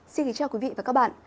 xin kính chào quý vị và các bạn